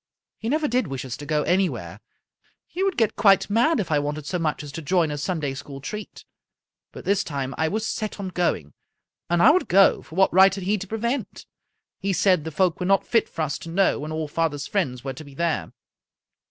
He never did wish us to go anywhere. He would get quite mad if I wanted so much as to join a Sun day School treat. But this time I was set on going, and I would go, for what right had he to prevent? He said the folk were not fit for us to know, when all father's friends were to be there.